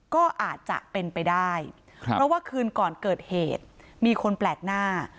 ก็อาจจะเป็นไปได้เพราะว่าคืนก่อนเกิดเหตุมีคนแปลกหน้า